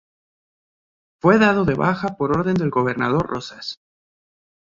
Fue dado de baja por orden del gobernador Rosas.